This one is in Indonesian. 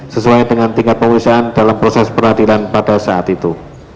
sesuai dengan tingkat pemeriksaan dalam proses peradilan pada saat itu